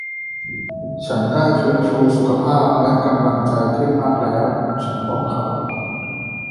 ฉันได้ฟื้นฟูสุขภาพและกำลังใจขึ้นมากแล้ว ฉันบอกเขา